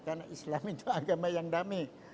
karena islam itu agama yang damai